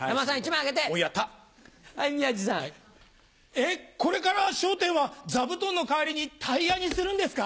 えっこれから『笑点』は座布団の代わりにタイヤにするんですか？